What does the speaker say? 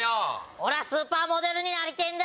おらスーパーモデルになりてぇんだ！